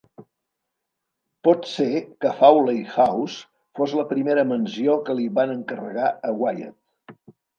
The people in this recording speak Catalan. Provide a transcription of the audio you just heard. Pot ser que Fawley House fos la primera mansió que li van encarregar a Wyatt.